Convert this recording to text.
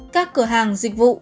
các cửa hàng dịch vụ